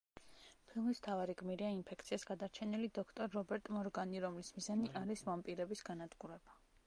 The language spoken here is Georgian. ფილმის მთავარი გმირია ინფექციას გადარჩენილი დოქტორ რობერტ მორგანი, რომლის მიზანი არის ვამპირების განადგურება.